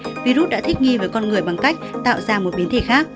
virus đã thích nghi với con người bằng cách tạo ra một biến thể khác